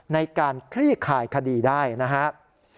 ในการคลี่คายคดีได้นะครับ